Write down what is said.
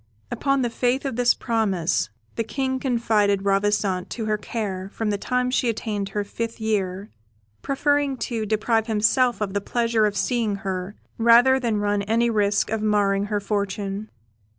Upon the faith of this promise, the King confided Ravissante to her care from the time she attained her fifth year, preferring to deprive himself of the pleasure of seeing her rather than run any risk of marring her fortune.